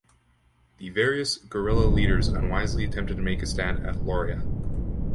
The various guerrilla leaders unwisely attempted to make a stand at Lauria.